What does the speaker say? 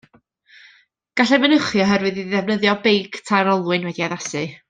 Gallai fynychu oherwydd iddi ddefnyddio beic tair olwyn wedi'i addasu.